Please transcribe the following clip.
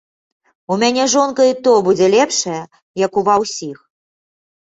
У мяне жонка і то будзе лепшая, як у ва ўсіх.